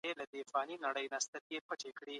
د نورو د اذیت مخنیوی اړین دی.